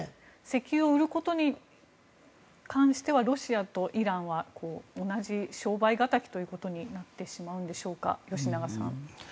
石油を売ることに関してはロシアとイランは同じ商売敵ということになってしまうんでしょうか吉永さん。